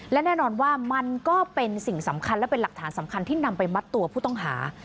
และแน่นอนว่ามันก็เป็นสิ่งสำคัญและเป็นหลักฐานสำคัญที่นำไปมัดตัวผู้ต้องหา